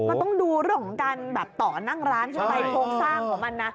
มันต้องดูหลงกันแบบต่อนั่งร้านจนไปโทรกสร้างของมันนะ